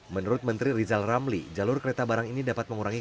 menurut menteri rizal ramli jalur kereta barang ini dapat mengurangi